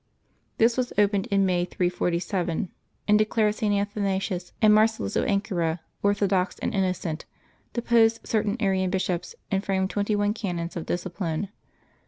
This was opened in May 347, and declared St. Athanasius and Marcellus of Ancyra orthodox and innocent, deposed certain Arian bishops, and framed twenty one canons of discipline.